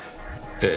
ええ。